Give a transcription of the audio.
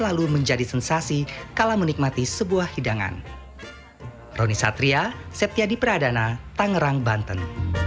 selalu menjadi sensasi kalau menikmati sebuah hidangan